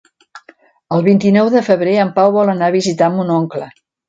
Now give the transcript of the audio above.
El vint-i-nou de febrer en Pau vol anar a visitar mon oncle.